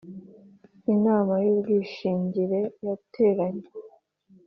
Inama y ubwishingire yateranye